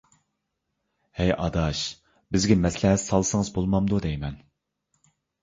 ھەي ئاداش، بىزگە مەسلىھەت سالسىڭىز بولمامدۇ دەيمەن.